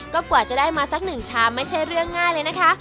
ก็กว่าจะได้มาสักหนึ่งชามไม่ใช่เรื่องง่ายเลยนะคะ